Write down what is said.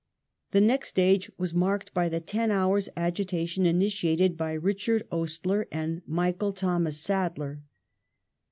The next stage was marked by the ten hours agita tion initiated by Richard Oastler and Michael Thomas Sadler.